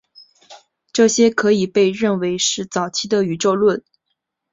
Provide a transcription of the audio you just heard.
这些可以被认为是早期的宇宙论。